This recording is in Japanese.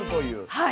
はい。